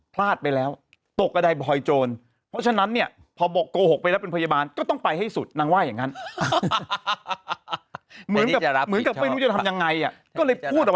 พลาดไปแล้วถูกกำหนดหอยโจร